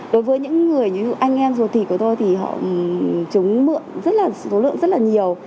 đối với những người như anh em ruột thịt của tôi thì họ chúng mượn rất là số lượng rất là nhiều